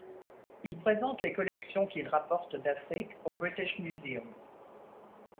Il présente les collections qu’il rapporte d’Afrique au British Museum.